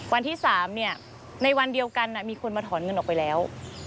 วันที่๓ในวันเดียวกันมีคนมาถอนเงินออกไปแล้ว